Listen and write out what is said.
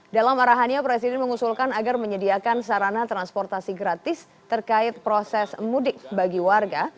dalam arahannya presiden mengusulkan agar menyediakan sarana transportasi gratis terkait proses mudik bagi warga